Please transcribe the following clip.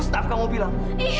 saya mau kolam